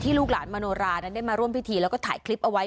ลูกหลานมโนรานั้นได้มาร่วมพิธีแล้วก็ถ่ายคลิปเอาไว้